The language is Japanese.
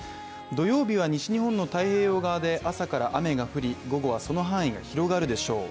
土曜日は西日本の太平洋側で朝から雨が降り午後はその範囲が広がるでしょう。